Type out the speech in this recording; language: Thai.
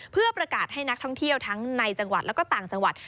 เพื่อประกาศให้นักท่องเที่ยวทั้งในจังหวัดและก็ต่างจังหวัด